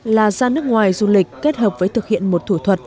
là ra nước ngoài du lịch kết hợp với thực hiện một thủ thuật